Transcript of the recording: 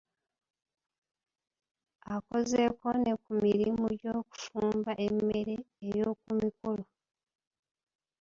Akozeeko ne ku mirimu gy'okufumba emmere ey'oku mikolo